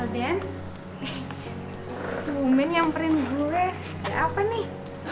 bumen nyamperin gue apa nih